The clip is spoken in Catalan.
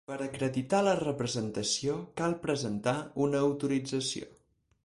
Per acreditar la representació cal presentar una autorització.